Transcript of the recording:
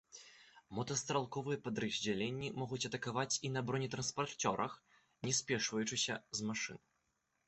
Мотастралковыя падраздзяленні могуць атакаваць і на бронетранспарцёрах, не спешваючыся з машын.